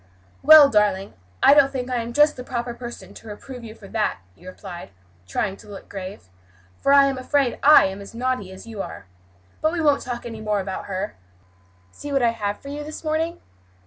"Well, darling, I don't think I am just the proper person to reprove you for that," he replied, trying to look grave, "for I am afraid I am as naughty as you are. But we won't talk any more about her. See what I have for you this morning."